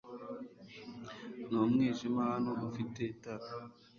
Ni umwijima hano. Ufite itara?